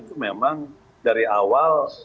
itu memang dari awal